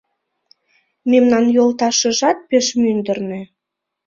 Мемнан йолташыжат пеш мӱндырнӧ